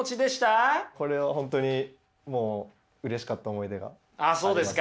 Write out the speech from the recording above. これは本当にもううれしかった思い出があります。